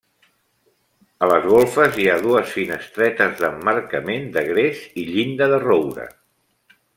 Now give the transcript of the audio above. A les golfes hi ha dues finestretes d'emmarcament de gres i llinda de roure.